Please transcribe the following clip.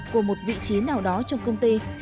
của một vị trí nào đó trong công ty